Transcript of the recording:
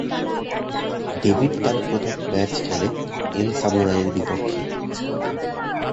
Debit তার প্রথম match খেলে এল সামুরাই এর বিপক্ষে।